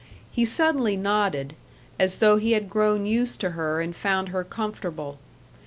He suddenly nodded, as though he had grown used to her and found her comfortable.